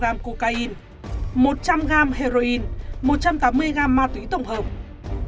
và một trăm linh g nguyên liệu nguyên liệu nguyên liệu nguyên liệu nguyên liệu nguyên liệu nguyên liệu nguyên liệu